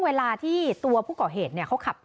ลูกสาวผมเนี่ยก็เลยย้ายกันไปประมาณสักหนึ่งเดือนแล้วด้วยนะ